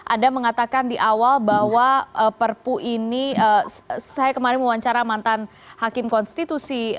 anda mengatakan di awal bahwa perpu ini saya kemarin mewawancara mantan hakim konstitusi